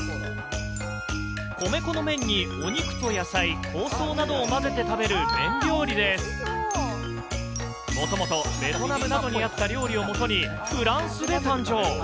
米粉の麺にお肉と野菜、香草などを混ぜて食べる麺料理で、もともとベトナムなどにあった料理をもとに、フランスで誕生。